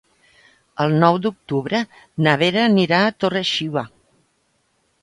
El nou d'octubre na Vera anirà a Torre-xiva.